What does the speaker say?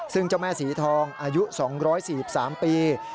ซึ่งเจ้าแม่สีทองอายุ๒๔๓ปี